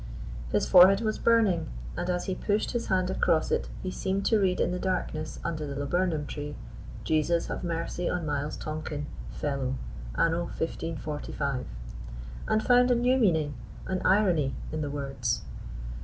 His forehead was burning, and as he pushed his hand across it, he seemed to read in the darkness under the laburnum tree, "_Jesus have mercy on Miles Tonken, Fellow. Anno 1545," and found a new meaning an irony in the words.